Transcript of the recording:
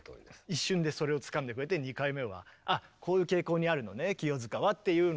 一瞬でそれをつかんでくれて２回目は「あっこういう傾向にあるのね清塚は」っていうので。